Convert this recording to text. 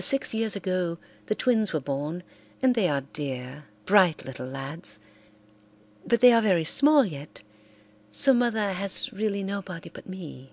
Six years ago the twins were born, and they are dear, bright little lads, but they are very small yet, so Mother has really nobody but me.